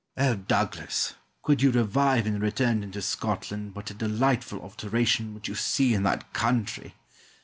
Argyle. Oh, Douglas, could you revive and return into Scotland what a delightful alteration would you see in that country.